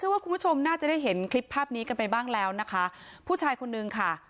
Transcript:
ว่าคุณผู้ชมน่าจะได้เห็นคลิปภาพนี้กันไปบ้างแล้วนะคะผู้ชายคนนึงค่ะ